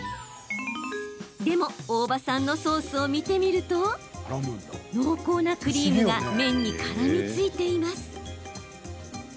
でも大場さんのソースを見てみると、濃厚なクリームが麺にからみついています。